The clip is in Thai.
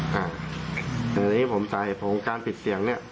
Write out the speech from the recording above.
แต่ในที่ผมสาเหตุของการปิดเสียงเนี่ย